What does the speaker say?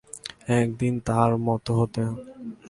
একদিন তার মতো হতে?